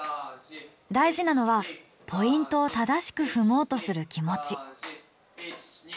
大事なのはポイントを正しく踏もうとする気持ち。